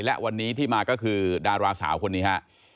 และวันนี้ที่มาก็คือดาราสาวคนนี้ฮะ